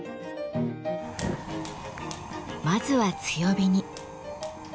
まずは強火に。